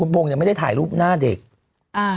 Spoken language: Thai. พงศ์เนี่ยไม่ได้ถ่ายรูปหน้าเด็กอ่า